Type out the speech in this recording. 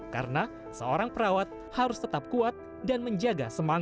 karena seorang perawat harus menjaga kemampuan